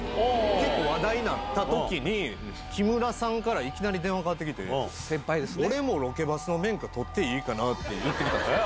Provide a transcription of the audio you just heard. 結構話題になったときに、木村さんからいきなり電話かかってきて、俺もロケバスの免許取っていいかなって言ってきたんですよね。